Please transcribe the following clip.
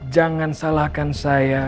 jangan salahkan saya